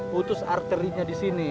putus arterinya di sini